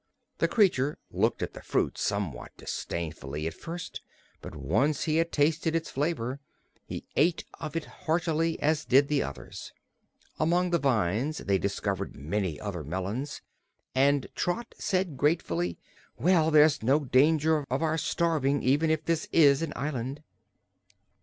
The creature looked at the fruit somewhat disdainfully, at first, but once he had tasted its flavor he ate of it as heartily as did the others. Among the vines they discovered many other melons, and Trot said gratefully: "Well, there's no danger of our starving, even if this is an island."